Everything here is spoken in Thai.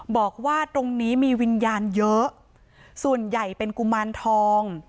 บอกว่าตรงนี้มีวิญญาณเยอะส่วนใหญ่เป็นกุมารทอง